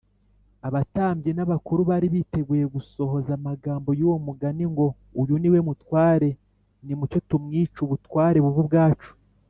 abatambyi n’abakuru bari biteguye gusohoza amagambo y’uwo mugani ngo, ‘uyu ni we mutware, nimucyo tumwice ubutware bube ubwacu’